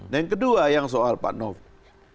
nah yang kedua yang soal pak novi